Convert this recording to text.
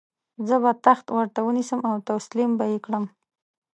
زه به تخت ورته ونیسم او تسلیم به یې کړم.